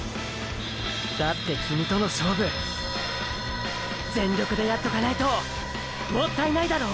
だってキミとの勝負ーー全力でやっとかないともったいないだろう？